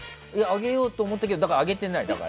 あげようと思ってたけどあげてない。